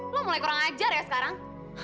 wah mulai kurang ajar ya sekarang